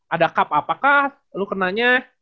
ada cup apakah lu kenanya